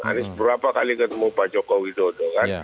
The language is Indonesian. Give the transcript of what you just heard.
anies berapa kali ketemu pak joko widodo kan